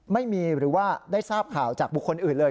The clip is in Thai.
หรือว่าได้ทราบข่าวจากบุคคลอื่นเลย